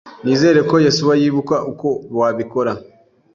Nizere ko Yesuwa yibuka uko wabikora.